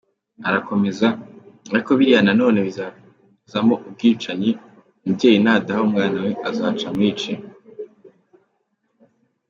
Arakomeza “Ariko biriya na none bizazamo ubwicanyi, umubyeyi nadaha umwana we azaza amwice.